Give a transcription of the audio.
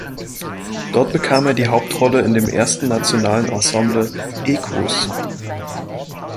Dort bekam er die Hauptrolle in dem ersten nationalen Ensemble "Equus".